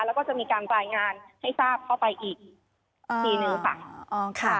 แล้วก็จะมีการรายงานให้ทราบเข้าไปอีกทีนึงค่ะ